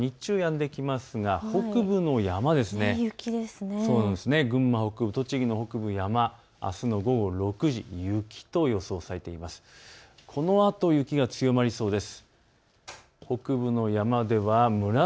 できますが北部の山、群馬北部、栃木の北部、山、あすの午後６時、雪と予想されています。